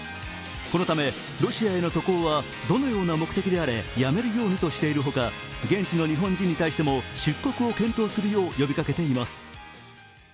このためロシアへの渡航はどのような目的であれやめるようにとしているほか、現地の日本人に対しても出国検討するよう呼びかけています。